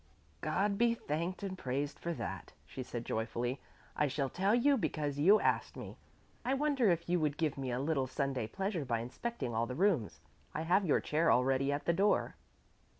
"God be thanked and praised for that," she said joyfully. "I shall tell you because you asked me. I wonder if you would give me a little Sunday pleasure by inspecting all the rooms. I have your chair already at the door."